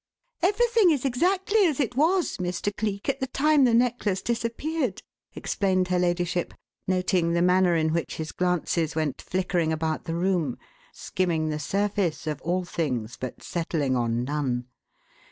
"Everything is exactly as it was, Mr. Cleek, at the time the necklace disappeared," explained her ladyship, noting the manner in which his glances went flickering about the room, skimming the surface of all things but settling on none.